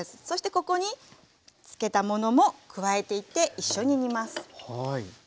そしてここに漬けたものも加えていって一緒に煮ます。